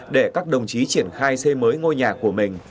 để các đồng chí triển khai xây mới ngôi nhà của mình